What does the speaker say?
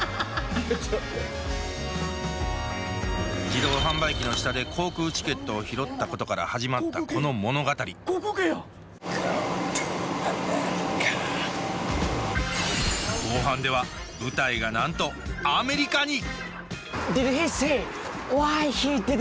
自動販売機の下で航空チケットを拾ったことから始まったこの物語後半では舞台がなんとアメリカに！